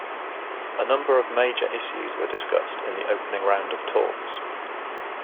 A number of major issues were discussed in the opening round of talks.